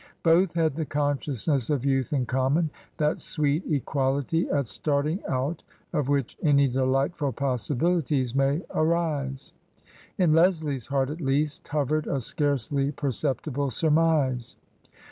Both had the consciousness of youth in common — that sweet equality at starting out of which any delightful possibilities may arise. In Leslie's heart at least hovered a scarcely per ceptible surmise.